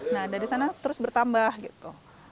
nah dari sana terus bertambah gitu